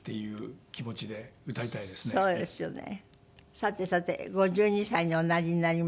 さてさて５２歳におなりになりました。